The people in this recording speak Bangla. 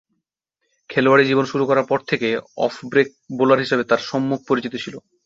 খেলোয়াড়ী জীবন শুরু করার পর থেকে অফ ব্রেক বোলার হিসেবে তার সম্যক পরিচিতি ছিল।